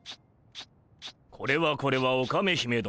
これはこれはオカメ姫殿。